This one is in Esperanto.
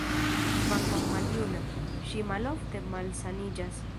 Kvankam maljuna, ŝi malofte malsaniĝas.